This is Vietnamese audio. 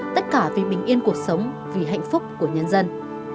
tất cả vì bình yên cuộc sống vì hạnh phúc của nhân dân